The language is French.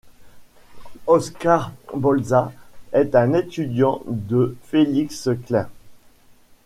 Oskar Bolza est un étudiant de Felix Klein.